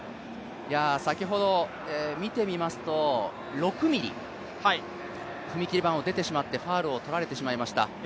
先ほど見てみますと６ミリ、踏み切り板を出てしまいまして、ファウルを取られてしまいました。